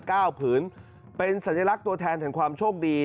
ผืนเป็นสัญลักษณ์ตัวแทนแห่งความโชคดี